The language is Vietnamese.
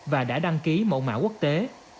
và đã đăng ký mẫu mạo quốc tế